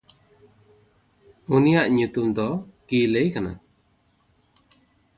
ᱩᱱᱤᱭᱟᱜ ᱧᱩᱛᱩᱢ ᱫᱚ ᱠᱤᱭᱞᱮ ᱠᱟᱱᱟ᱾